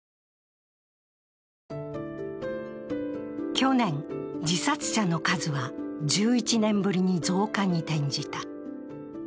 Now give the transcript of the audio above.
去年、自殺者の数は１１年ぶりに増加に転じた。